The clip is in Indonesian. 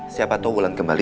siapa tau wulan kembali